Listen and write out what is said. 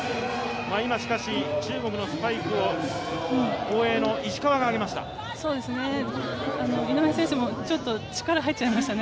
今しかし、中国のスパイクを後衛の石川が上げました。